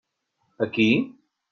Aquí?